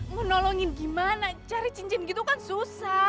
mau nolongin gimana cari cincin gitu kan susah